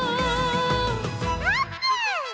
あーぷん！